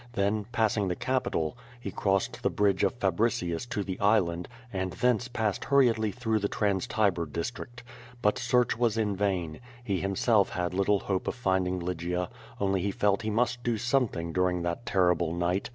Then, passing the Capitol, he crossed the bridge of Fabricius to the island, and thence passed hurriedly through the trans Tiber district. Bnt search was in vain. He himself had little hope of finding Lygia, only he felt he must do something during that terrible night.